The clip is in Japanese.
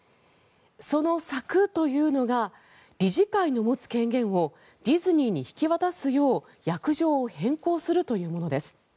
その策というのが理事会の持つ権限をディズニーに引き渡すよう約定を変更するというものです。